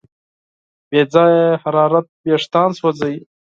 بې ځایه حرارت وېښتيان سوځوي.